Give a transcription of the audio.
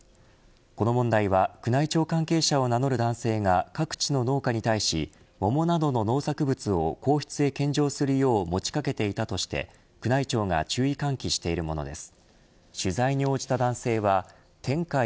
この問題は宮内庁関係者を名乗る男性が各地の農家に桃などの農作物を皇室に献上するよう持ち掛けていたとして宮内庁が注意喚起しているものです。